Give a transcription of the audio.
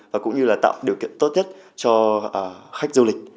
và cũng như là tạo điều kiện tốt nhất cho khách du lịch